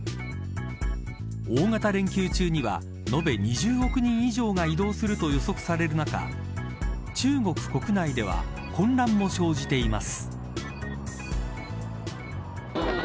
大型連休中には、延べ２０億人以上が移動すると予測される中中国国内では混乱も生じています。